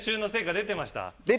出てました。